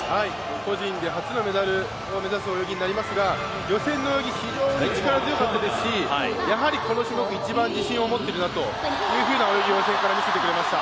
個人で初のメダルを目指す泳ぎになりますが予選の泳ぎ、非常に力強かったですし、やはりこの種目が一番自信を持っているなというふうな泳ぎを予選から見せてくれました。